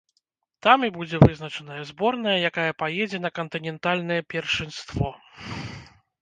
Там і будзе вызначана зборная, якая паедзе на кантынентальнае першынство.